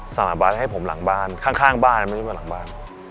สมัครบาสให้ผมหลังบ้านข้างบ้านไม่ใช่บ้านหลังบ้าน